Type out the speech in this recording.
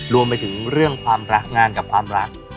รวมไปถึงเรื่องความรักงานกับความรัก